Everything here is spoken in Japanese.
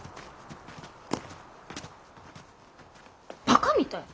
バカみたい。